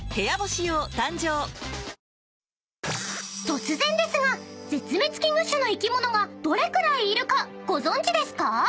［突然ですが絶滅危惧種の生き物がどれくらいいるかご存じですか？］